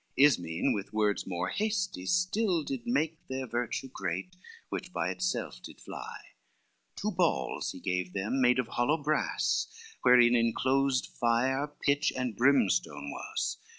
Ismen with words more hasty still did make Their virtue great, which by itself did fly, Two balls he gave them made of hollow brass, Wherein enclosed fire, pitch, and brimstone was.